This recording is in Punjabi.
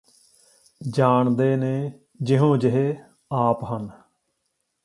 ਜਾਣਦੇ ਨੇ ਜਿਹੋਂ ਜਿਹੇ ਆਪ ਹਨ